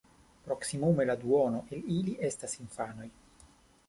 Proksimume la duono el ili estas infanoj.